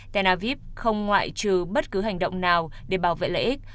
tel aviv không ngoại trừ bất cứ hành động nào để bảo vệ lợi ích